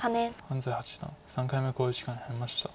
安斎八段３回目の考慮時間に入りました。